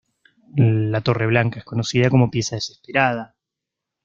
La torre blanca es conocida como pieza desesperada.